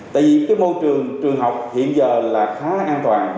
tại vì cái môi trường trường học hiện giờ là khá là an toàn